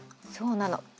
そうなの。